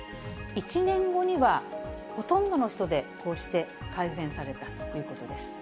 １年後には、ほとんどの人でこうして改善されたということです。